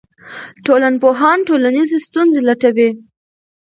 ټولنپوهان ټولنیزې ستونزې لټوي.